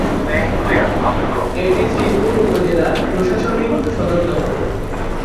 এটি শ্রীপুর উপজেলার প্রশাসনিক সদরদপ্তর।